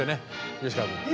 吉川君。